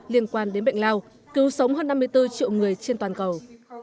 liên quan đến bệnh lao cứu sống hơn năm mươi bốn triệu người trên toàn cầu